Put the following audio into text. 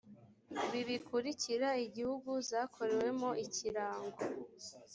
ibi bikurikira igihugu zakorewemo ikirango